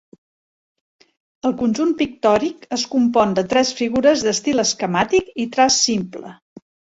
El conjunt pictòric es compon de tres figures d'estil esquemàtic i traç simple.